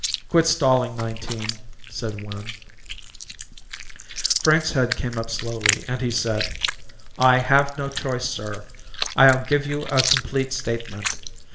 "Quit stalling, Nineteen," said Wynn. Frank's head came up slowly and he said: "I have no choice, sir. I'll give you a complete statement.